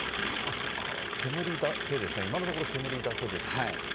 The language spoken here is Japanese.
そっか、煙だけですね、今のところ、煙だけですね。